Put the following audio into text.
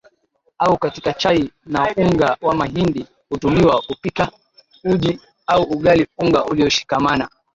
au katika chai na unga wa mahindi hutumiwa kupika uji au ugali Unga ulioshikamana